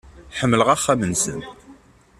Ḥemmleɣ axxam-nsen.